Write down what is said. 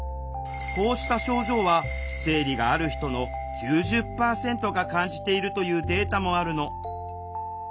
こうした症状は生理がある人の９０％が感じているというデータもあるの。